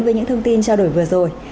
với những thông tin trao đổi vừa rồi